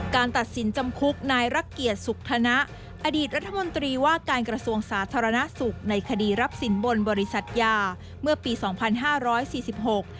ตัดสินจำคุกนายรักเกียจสุขธนะอดีตรัฐมนตรีว่าการกระทรวงสาธารณสุขในคดีรับสินบนบริษัทยาเมื่อปีสองพันห้าร้อยสี่สิบหก